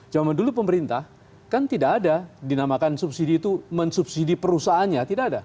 zaman dulu pemerintah kan tidak ada dinamakan subsidi itu mensubsidi perusahaannya tidak ada